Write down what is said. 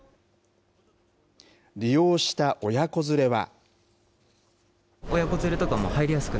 利用した親子連れは。